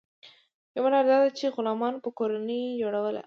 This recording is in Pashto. یوه لار دا وه چې غلامانو به کورنۍ جوړولې.